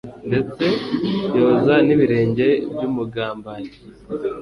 Ndetse yoza n'ibirenge by'umugambanyi.